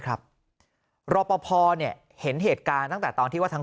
ครับรอปภเนี่ยเห็นเหตุการณ์ตั้งแต่ตอนที่ว่าทั้ง